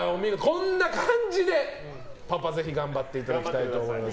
こんな感じでパパぜひ頑張っていただきたいと思います。